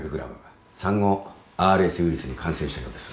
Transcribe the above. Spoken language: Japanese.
産後ＲＳウィルスに感染したようです。